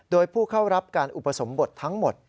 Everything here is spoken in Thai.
โดยผู้เข้ารับการอุปสมบททั้งหมด